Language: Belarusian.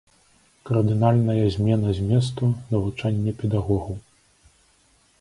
Кардынальная змена зместу навучання педагогаў.